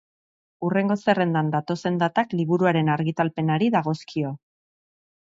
Hurrengo zerrendan datozen datak liburuaren argitalpenari dagozkio.